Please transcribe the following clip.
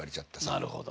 なるほど。